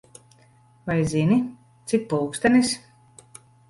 Vai zini, cik pulkstenis?